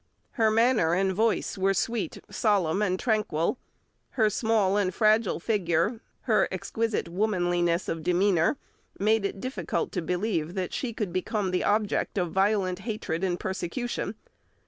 Her manner and voice were sweet, solemn, and tranquil; her small and fragile figure, her exquisite womanliness of demeanour, made it difficult to believe that she could become the object of violent hatred and persecution.